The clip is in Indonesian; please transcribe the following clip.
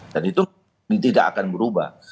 dan itu tidak akan berubah